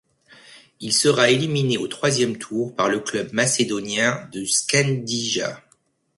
Il sera éliminé au troisième tour par le club macédonien du Shkëndija.